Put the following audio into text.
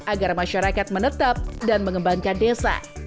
agar masyarakat menetap dan mengembangkan desa